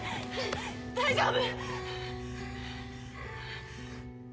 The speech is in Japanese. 大丈夫！？